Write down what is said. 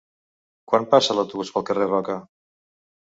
Quan passa l'autobús pel carrer Roca?